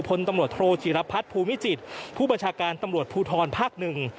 พลตำรวจโทจิรพัฒน์ภูมิจิตรผู้บัญชาการตำรวจภูทรภาคหนึ่ง